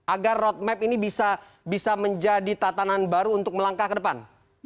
agar roadmap ini bisa menjadi tatanan baru untuk melangkah ke depan